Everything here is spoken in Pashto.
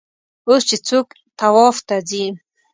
اوس چې څوک طواف ته ځي.